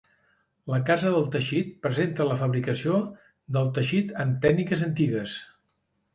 La casa del teixit presenta la fabricació del teixit amb tècniques antigues.